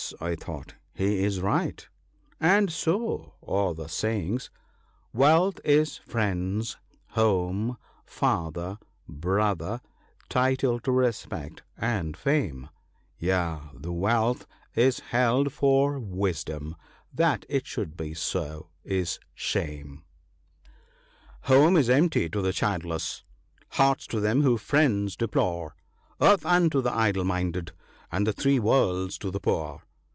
" I thought, " he is right, and so are the say ings— " Wealth is friends, home, father, brother — title to respect and fame ; Yea, and wealth is held for wisdom — that it should be so is shame. " 42 THE BOOK OF GOOD COUNSELS. " Home is empty to the childless ; hearts to them who friends deplore : Earth unto the idle minded ; and the three worlds to the poor."